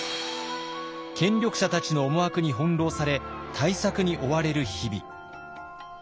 権力者たちの思惑に翻弄され対策に追われる日々。